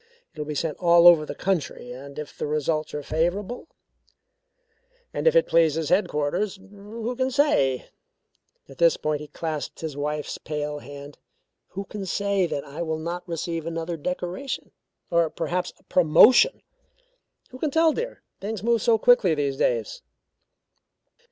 It will be sent all over the country and if the results are favourable and it pleases headquarters who can say," at this point he clasped his wife's pale hand, "who can say that I will not receive another decoration, or perhaps a promotion? Who can tell, my dear? Things move so quickly these days."